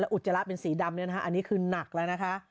แล้วอุจจาระเป็นสีดำอันนี้แน่นักแล้วนะ